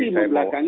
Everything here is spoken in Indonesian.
tidak tidak tidak